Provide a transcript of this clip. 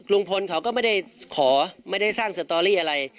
ลุงพลเขาก็ไม่ได้ขอไม่ได้สร้างสตอรี่อะไร